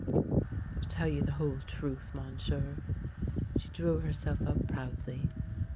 ... I will tell you the whole truth, Mon sieur." She drew herself up proudly.